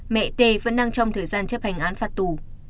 mẹ t vẫn đang trong thời gian chấp hành án phạt tù